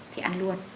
thì ăn luôn